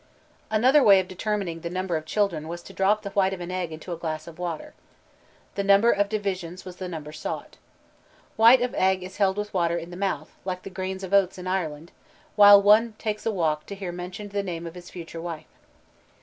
Another way of determining the number of children was to drop the white of an egg into a glass of water. The number of divisions was the number sought. White of egg is held with water in the mouth, like the grains of oats in Ireland, while one takes a walk to hear mentioned the name of his future wife.